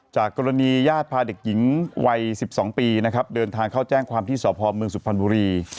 จากกรณีญาติพาเด็กหญิงวัย๑๒ปีนะครับเดินทางเข้าแจ้งความที่สพเมืองสุพรรณบุรี